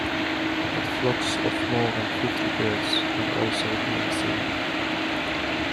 But flocks of more than fifty birds have also been seen.